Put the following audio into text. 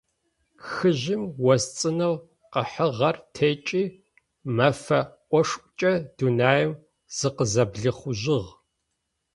Хыжьым ос цӏынэу къыхьыгъэр текӏи, мэфэ ошӏукӏэ дунаим зыкъызэблихъужьыгъ.